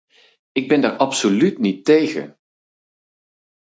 Ik ben daar absoluut niet tegen!